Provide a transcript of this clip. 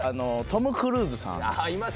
トム・クルーズさん。